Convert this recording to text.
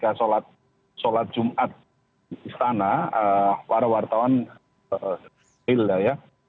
ketika sholat sholat jumat istana ee para wartawan ee ee ya